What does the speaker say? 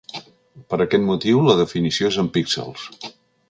Per aquest motiu la definició és en píxels.